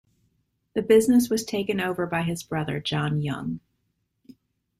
The business was taken over by his brother John Young.